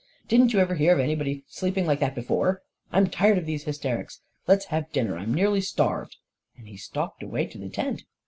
" Didn't you ever hear of anybody sleeping like that before ! I'm tired of these hysterics! Let's have dinner; I'm nearly starved! " And he stalked away to the tent.